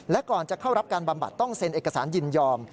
และก่อนจะเข้ารับการบำบัดต้องเซ็นเอกสารยินยอม